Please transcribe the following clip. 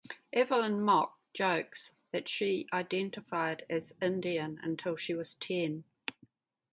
Evelyn Mok jokes that she identified as Indian until she was ten.